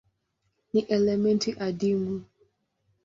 Ni elementi adimu.